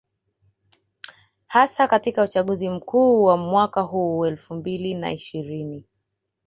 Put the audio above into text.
Hasa katika uchaguzi mkuu wa mwaka huu elfu mbili na ishirini